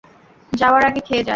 যাওয়ার আগে খেয়ে যাস।